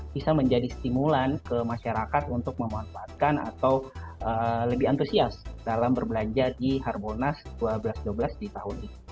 bisa menjadi stimulan ke masyarakat untuk memanfaatkan atau lebih antusias dalam berbelanja di harbolnas dua belas dua belas di tahun ini